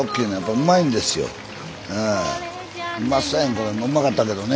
うまかったけどね。